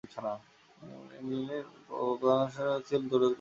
এ ইউনিয়নের প্রশাসনিক কার্যক্রম দৌলতপুর উপজেলার আওতাধীন